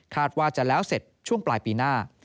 ว่าจะแล้วเสร็จช่วงปลายปีหน้า